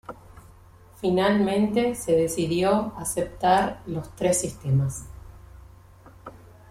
Finalmente, se decidió aceptar los tres sistemas.